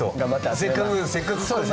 せっかくせっかくこんな。